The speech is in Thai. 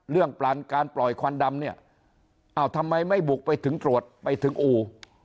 การปล่อยควันดำเนี่ยอ้าวทำไมไม่บุกไปถึงตรวจไปถึงอู่